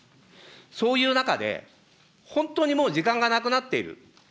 そういう中で、本当にもう時間がなくなっている。